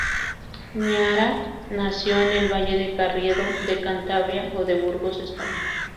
Miera nació en el valle de Carriedo de Cantabria o de Burgos, España.